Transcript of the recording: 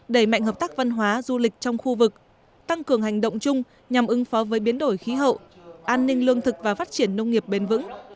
đẩy mạnh hợp tác văn hóa du lịch trong khu vực tăng cường hành động chung nhằm ứng phó với biến đổi khí hậu an ninh lương thực và phát triển nông nghiệp bền vững